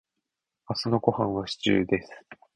明日のごはんはシチューです。